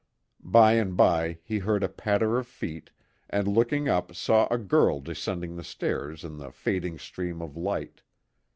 By and by he heard a patter of feet, and looking up saw a girl descending the stairs in the fading stream of light.